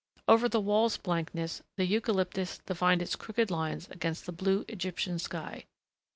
Over the wall's blankness the eucalyptus defined its crooked lines against the blue Egyptian sky.